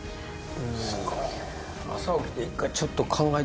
すごいよ。